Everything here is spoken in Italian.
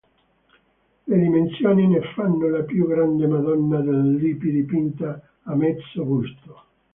Le dimensioni ne fanno la più grande Madonna del Lippi dipinta a mezzo busto.